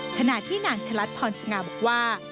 ขณะที่นางฉลัดพรสง่าบอกว่า